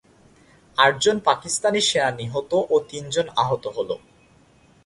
আটজন পাকিস্তানি সেনা নিহত ও তিনজন আহত হলো।